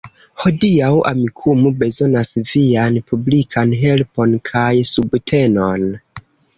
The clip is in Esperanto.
Hodiaŭ Amikumu bezonas vian publikan helpon kaj subtenon